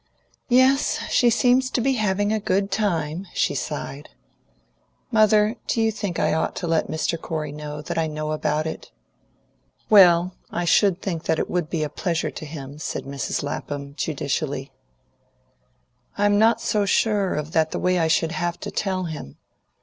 "Yes, she seems to be having a good time," she sighed. "Mother, do you think I ought to let Mr. Corey know that I know about it?" "Well, I should think it would be a pleasure to him," said Mrs. Lapham judicially. "I'm not so sure of that the way I should have to tell him.